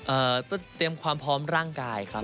เตรียมความพร้อมร่างกายครับ